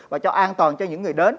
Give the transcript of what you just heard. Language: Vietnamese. và cho an toàn cho những người đến